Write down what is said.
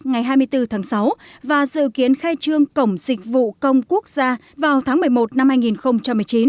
ngày hai mươi bốn tháng sáu và dự kiến khai trương cổng dịch vụ công quốc gia vào tháng một mươi một năm hai nghìn một mươi chín